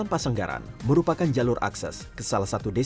sebenarnya kita bertiga itu kan masih fresh graduate